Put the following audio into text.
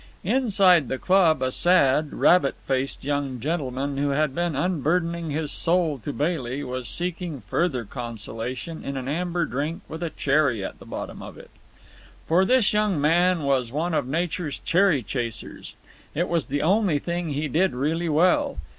Inside the club a sad, rabbit faced young gentleman, who had been unburdening his soul to Bailey, was seeking further consolation in an amber drink with a cherry at the bottom of it. For this young man was one of nature's cherry chasers. It was the only thing he did really well.